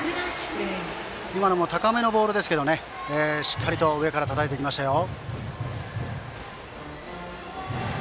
今のも高めのボールですがしっかりと上からたたいていきましたよ。